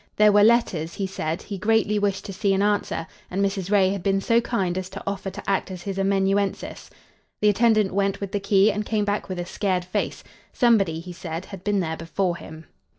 There were letters, he said, he greatly wished to see and answer, and Mrs. Ray had been so kind as to offer to act as his amanuensis. The attendant went with the key and came back with a scared face. Somebody, he said, had been there before him.